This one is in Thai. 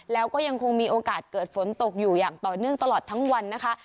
แล้วก็ยังคงมีโอกาสเกิดฝนตกอยู่อย่างต่อเนื่องตลอดทั้งวันนะคะ